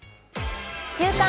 「週刊！